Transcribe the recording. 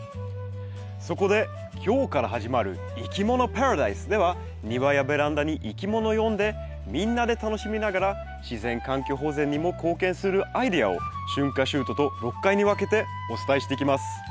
そこで今日から始まる「いきものパラダイス」では庭やベランダにいきもの呼んでみんなで楽しみながら自然環境保全にも貢献するアイデアを春夏秋冬と６回に分けてお伝えしていきます。